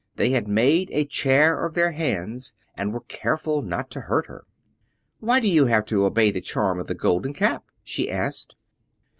They had made a chair of their hands and were careful not to hurt her. "Why do you have to obey the charm of the Golden Cap?" she asked.